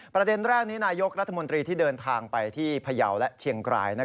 ประเด็นแรกนี้นายกรัฐมนตรีที่เดินทางไปที่พยาวและเชียงกราย